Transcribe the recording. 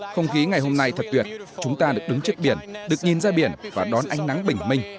không khí ngày hôm nay thật tuyệt chúng ta được đứng trước biển được nhìn ra biển và đón ánh nắng bình minh